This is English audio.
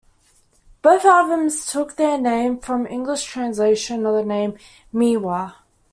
Both albums took their name from the English translation of the name Miwa.